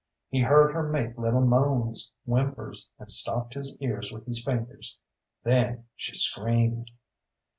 He heard her make little moans, whimpers, and stopped his ears with his fingers. Then she screamed.